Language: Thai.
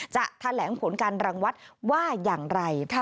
จะแถลงผลการรังวัดว่าอย่างไร